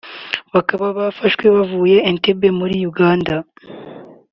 bakaba bafashwe bavuye Entebbe muri Uganda